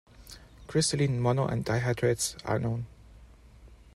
Crystalline mono- and di-hydrates are known.